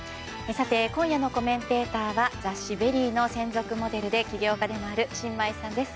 今夜のコメンテーターは雑誌「ＶＥＲＹ」の専属モデルで起業家でもある申真衣さんです。